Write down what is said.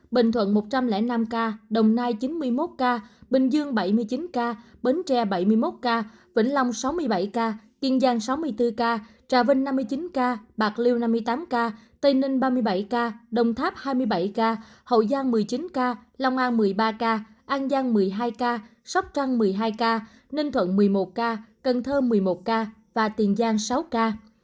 bình thuận một trăm linh năm ca đồng nai chín mươi một ca bình dương bảy mươi chín ca bến tre bảy mươi một ca vĩnh long sáu mươi bảy ca tiền giang sáu mươi bốn ca trà vinh năm mươi chín ca bạc liêu năm mươi tám ca tây ninh ba mươi bảy ca đồng tháp hai mươi bảy ca hậu giang một mươi chín ca lòng an một mươi ba ca an giang một mươi hai ca sóc trăng một mươi hai ca ninh thuận một mươi một ca cần thơ một mươi một ca tiền giang sáu ca